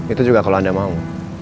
itu juga kalau anda mau